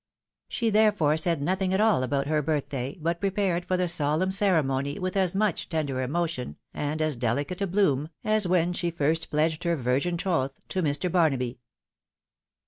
She, therefore, said A 2 THE WIDOW MAEKIED. nothing at all about her birthday, but prepared for the solemn ceremony with as much tender emotion, and as delicate a bloom, as when she first pledged her virgin troth to Mr. Barnaby.